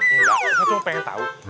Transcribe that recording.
enggak aku cuma pengen tau